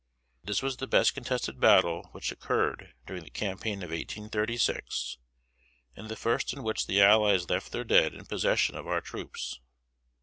This was the best contested battle which occurred during the campaign of 1836, and the first in which the allies left their dead in possession of our troops.